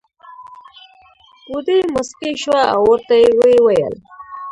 بوډۍ موسکۍ شوه او ورته وې وېل.